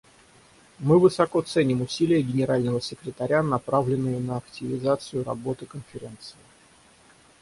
Мы высоко ценим усилия Генерального секретаря, направленные на активизацию работы Конференции.